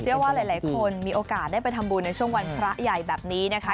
เชื่อว่าหลายคนมีโอกาสได้ไปทำบุญในช่วงวันพระใหญ่แบบนี้นะคะ